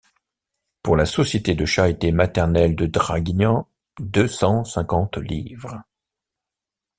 Pour la société de charité maternelle de Draguignan: deux cent cinquante livres.